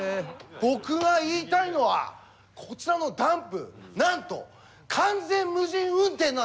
僕が言いたいのはこちらのダンプなんと完全無人運転なんです！